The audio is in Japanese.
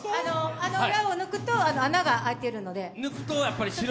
あの矢を抜くと穴が開いてるので。